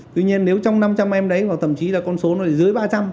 tuy nhiên nếu trong năm trăm linh em đấy hoặc thậm chí là con số này dưới ba trăm linh